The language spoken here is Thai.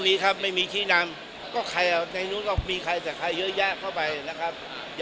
มีครับไม่มีชี้นำก็ใครเอาในนู้นก็มีใครจากใครเยอะแยะเข้าไปนะครับ